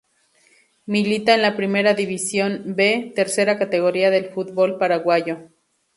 Milita en la Primera División B, tercera categoría del fútbol paraguayo.